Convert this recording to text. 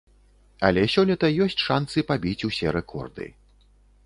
Але сёлета ёсць шанцы пабіць усе рэкорды.